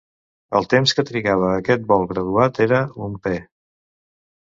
El temps que trigava aquest bol graduat era un "pe".